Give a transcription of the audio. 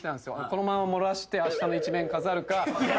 このまま漏らしてあしたの一面飾るか。